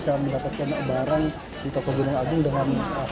satu dapat tiga ada yang beli satu dapat satu